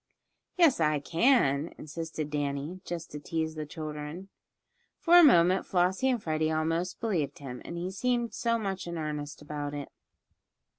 "Yes, I can," insisted Danny, just to tease the children. For a moment Flossie and Freddie almost believed him, he seemed so much in earnest about it.